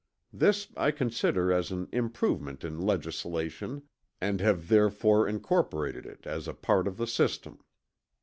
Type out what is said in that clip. This I consider as an improvement in legislation, and have therefore incorporated it as a part of the system.